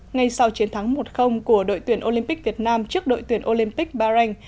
ngay sau chiến thắng một của đội tuyển olympic việt nam trước đội tuyển olympic bahrain